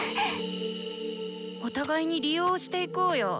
お互いに利用していこうよ。